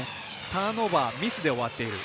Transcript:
ターンオーバーミスで終わっている。